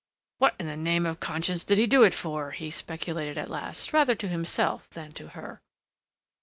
"What in the name of conscience did he do it for?" he speculated at last, rather to himself than to her.